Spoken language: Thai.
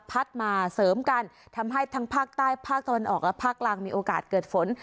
พัดมาเสริมกันทำให้ทั้งภาคใต้ภาคตะวันออกและภาคกลางมีโอกาสเกิดฝน